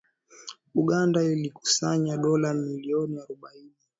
Uganda ilikusanya dola milioni arubaini